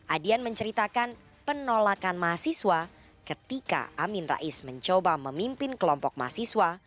adian menceritakan penolakan mahasiswa ketika amin rais mencoba memimpin kelompok mahasiswa